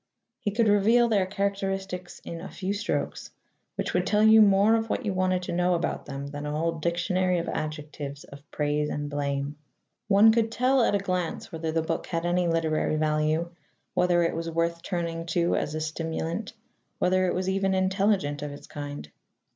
He could reveal their characteristics in a few strokes, which would tell you more of what you wanted to know about them than a whole dictionary of adjectives of praise and blame. One could tell at a glance whether the book had any literary value, whether it was worth turning to as a stimulant, whether it was even intelligent of its kind.